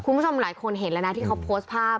คุณผู้ชมหลายคนเห็นแล้วนะที่เขาโพสต์ภาพ